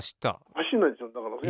走んないですよだから。